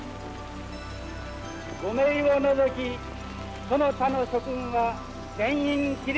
５名を除きその他の諸君は全員起立。